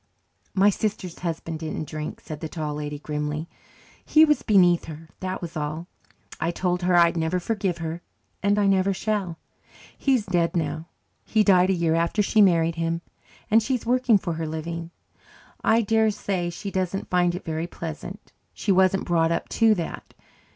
"My sister's husband didn't drink," said the Tall Lady grimly. "He was beneath her, that was all. I told her I'd never forgive her and I never shall. He's dead now he died a year after she married him and she's working for her living. I dare say she doesn't find it very pleasant. She wasn't brought up to that.